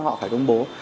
họ phải công bố